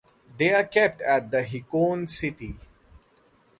They are kept at the in Hikone city.